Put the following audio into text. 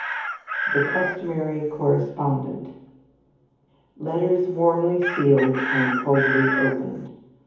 The Customary Correspondent "Letters warmly sealed and coldly opened."